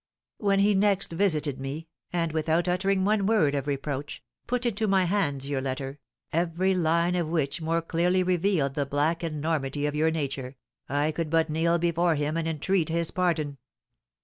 "When he next visited me, and, without uttering one word of reproach, put into my hands your letter, every line of which more clearly revealed the black enormity of your nature, I could but kneel before him and entreat his pardon.